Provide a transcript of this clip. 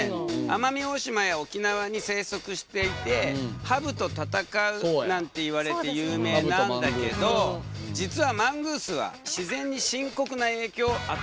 奄美大島や沖縄に生息していてハブと戦うなんていわれて有名なんだけど実はマングースは自然に深刻な影響を与えているんだよね。